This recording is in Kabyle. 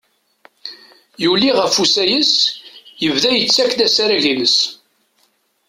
Yuli ɣef usayes, yebda yettakk-d asarag-ines.